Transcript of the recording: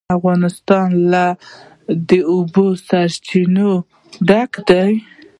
افغانستان له د اوبو سرچینې ډک دی.